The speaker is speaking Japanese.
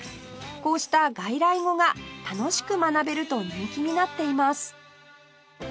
こうした外来語が楽しく学べると人気になっています